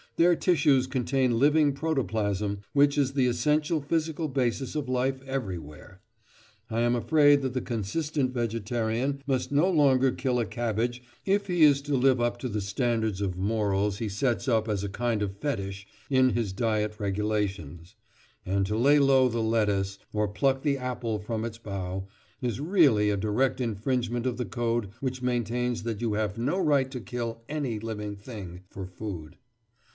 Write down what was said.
Their tissues contain living protoplasm, which is the essential physical basis of life everywhere.... I am afraid that the consistent vegetarian must no longer kill a cabbage if he is to live up to the standard of morals he sets up as a kind of fetish in his diet regulations; and to lay low the lettuce, or pluck the apple from its bough, is really a direct infringement of the code which maintains that you have no right to kill any living thing for food.